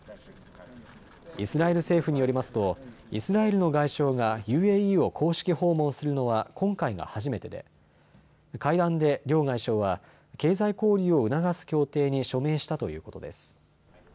イスラエル政府によりますとイスラエルの外相がＵＡＥを公式訪問するのは今回が初めてで会談で両外相は経済交流を促す協定に署名したということです。